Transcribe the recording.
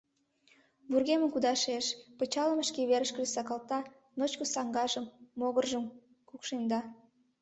Вургемым кудашеш, пычалым шке верышкыже сакалта, ночко саҥгажым, могыржым кукшемда.